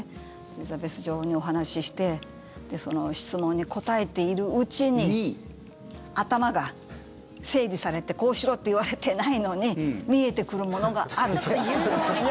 エリザベス女王にお話しして質問に答えているうちに頭が整理されてこうしろって言われていないのに見えてくるものがあると。